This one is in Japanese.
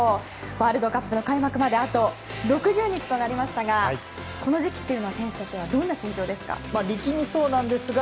ワールドカップ開幕まであと６０日となりましたがこの時期というのは選手たちはどんな心境なんですか？